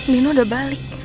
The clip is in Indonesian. nino udah balik